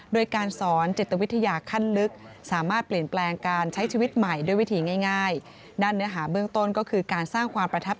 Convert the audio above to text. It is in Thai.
โดยการสอนเจตวิทยาขั้นลึก